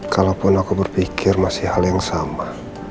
kalaupun aku berpikir masih hal yang sama